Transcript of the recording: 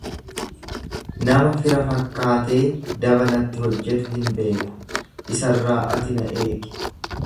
Nama fira fakkaatee daba natti hojjetu hin beeku, isarraa ati na eegi.